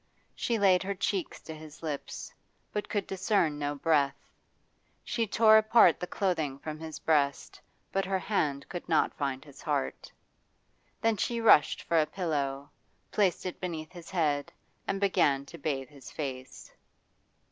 She laid her cheeks to his lips, but could discern no breath; she tore apart the clothing from his breast, but her hand could not find his heart. Then she rushed for a pillow, placed it beneath his head, and began to bathe his face.